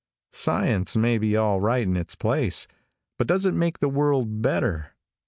Science may be all right in its place, but does it make the world better?